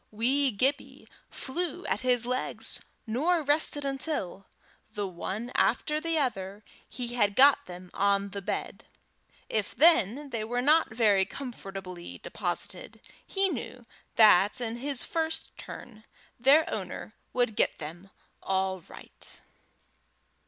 Wee Gibbie flew at his legs, nor rested until, the one after the other, he had got them on the bed; if then they were not very comfortably deposited, he knew that, in his first turn, their owner would get them all right.